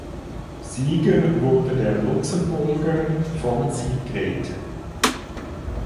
Sieger wurde der Luxemburger Fonsy Grethen.